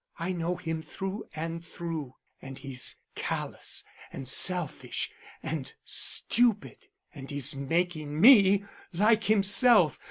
I know him through and through. And he's callous, and selfish, and stupid. And he's making me like himself....